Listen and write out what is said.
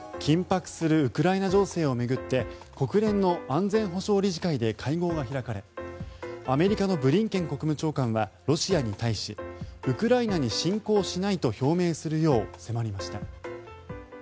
緊迫するウクライナ情勢を巡って国連の安全保障理事会で会合が開かれアメリカのブリンケン国務長官はロシアに対しウクライナに侵攻しないと表明するよう迫りました。